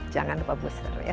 jangan lupa booster ya